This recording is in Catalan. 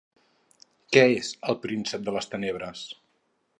Què és "El príncep de les tenebres"?